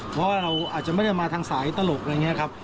เพราะว่าเราอาจจะไม่ได้มาทางสายตลกอะไรอย่างนี้ครับ